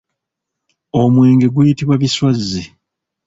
Omwenge guyitibwa biswazzi.